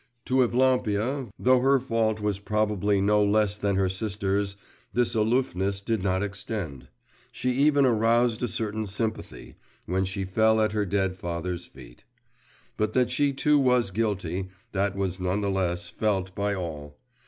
To Evlampia, though her fault was probably no less than her sister's, this aloofness did not extend. She even aroused a certain sympathy, when she fell at her dead father's feet. But that she too was guilty, that was none the less felt by all.